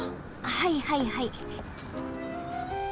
はいはいはい。